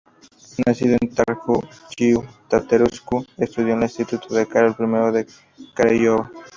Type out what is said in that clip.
Nacido en Târgu Jiu, Tătărescu estudió en el Instituto Carol I de Craiova.